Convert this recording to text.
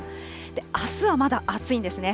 あすはまだ暑いんですね。